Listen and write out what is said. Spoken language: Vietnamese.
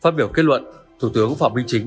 phát biểu kết luận thủ tướng phạm minh chính